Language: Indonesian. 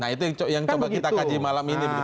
nah itu yang coba kita kaji malam ini